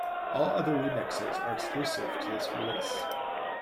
All other remixes are exclusive to this release.